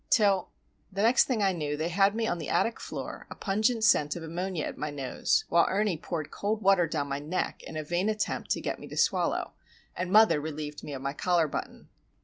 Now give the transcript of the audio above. Till.... The next thing I knew they had me on the attic floor, a pungent scent of ammonia at my nose, while Ernie poured cold water down my neck in a vain attempt to get me to swallow, and mother relieved me of my collar button.